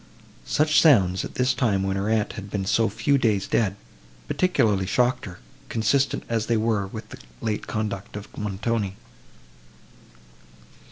Such sounds, at this time, when her aunt had been so few days dead, particularly shocked her, consistent as they were with the late conduct of Montoni.